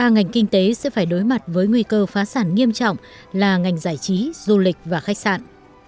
ba ngành kinh tế sẽ phải đối mặt với nguy cơ phá sản nghiêm trọng là ngành giải trí du lịch và khách sạn